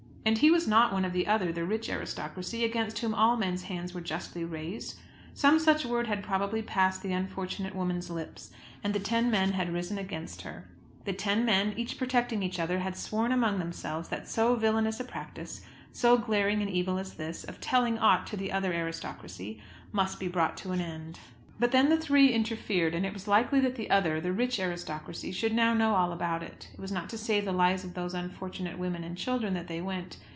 And he was not one of the other, the rich aristocracy, against whom all men's hands were justly raised. Some such word had probably passed the unfortunate woman's lips, and the ten men had risen against her. The ten men, each protecting each other, had sworn among themselves that so villainous a practice, so glaring an evil as this, of telling aught to the other aristocracy, must be brought to an end. But then the three interfered, and it was likely that the other, the rich aristocracy, should now know all about it. It was not to save the lives of those unfortunate women and children that they went.